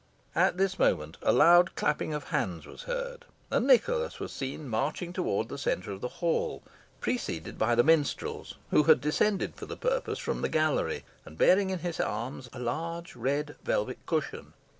At this moment a loud clapping of hands was heard, and Nicholas was seen marching towards the centre of the hall, preceded by the minstrels, who had descended for the purpose from the gallery, and bearing in his arms a large red velvet cushion.